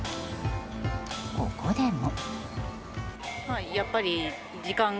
ここでも。